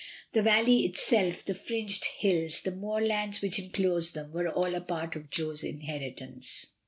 The valley itself, the fringed hills, the moor lands which enclosed them, were all a part of Jo's inheritance.